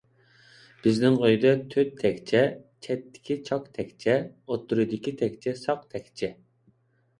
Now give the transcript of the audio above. بىزنىڭ ئۆيدە تۆت تەكچە، چەتتىكى چاك تەكچە، ئوتتۇرىدىكى تەكچە ساق تەكچە.